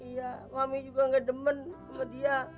ya mami juga nggak demen sama dia